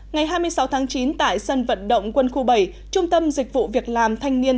ngày hai mươi sáu tháng chín tại sân vận động quân khu bảy trung tâm dịch vụ việc làm thanh niên